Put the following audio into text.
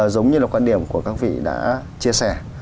giống như là quan điểm của các vị đã chia sẻ